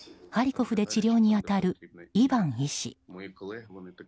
ハリコフで治療に当たるイバン医師。